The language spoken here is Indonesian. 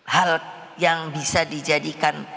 hal yang bisa dijadikan